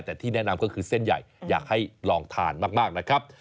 แต่ที่แนะนำก็คือเส้นใหญ่อยากให้ลองทานมากนะครับ